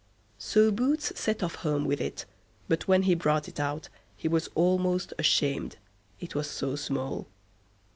So Boots set off home with it, but when he brought it out he was almost ashamed, it was so small.